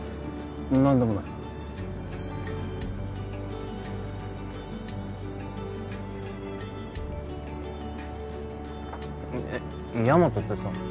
何でもないヤマトってさ